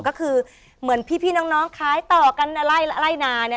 ก็คือเหมือนพี่น้องคล้ายต่อกันไล่นา